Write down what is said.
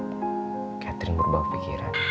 aku takut catherine berbawa pikiran